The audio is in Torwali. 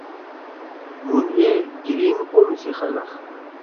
مُھون اے گریِن قوم سی خلق۔